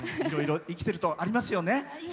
いろいろ生きてるとありますよね。